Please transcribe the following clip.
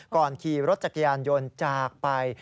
ขี่รถจักรยานยนต์จากไป